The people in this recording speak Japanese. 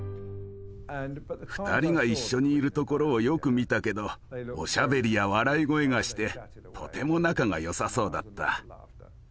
２人が一緒にいるところをよく見たけどおしゃべりや笑い声がしてとても仲が良さそうだった。